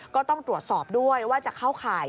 ก็ต้องตรวจสอบด้วยว่าจะเข้าข่าย